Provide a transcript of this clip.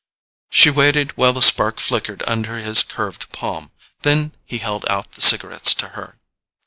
She waited while the spark flickered under his curved palm; then he held out the cigarettes to her.